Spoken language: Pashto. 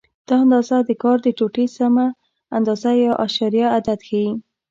دا اندازه د کار د ټوټې سمه اندازه یا اعشاریه عدد ښیي.